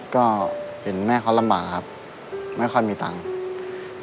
ก็เห็นแม่เขาลำบากครับไม่ค่อยมีตังค์